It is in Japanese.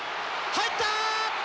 入った！